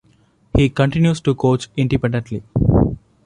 He continues to coach independently.